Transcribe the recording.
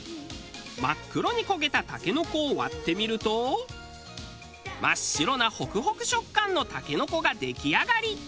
真っ黒に焦げたタケノコを割ってみると真っ白なホクホク食感のタケノコが出来上がり。